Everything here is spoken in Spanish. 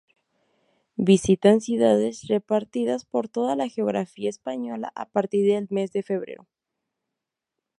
Visitan ciudades repartidas por toda la geografía española a partir del mes de febrero.